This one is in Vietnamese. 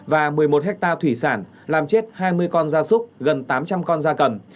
và một mươi một hectare thủy sản làm chết hai mươi con da súc gần tám trăm linh con da cầm